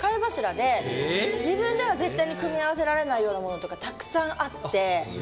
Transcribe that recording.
自分では絶対に組み合わせられないようなものとかたくさんあって。